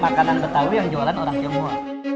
makanan batavia yang dijualan orang tionghoa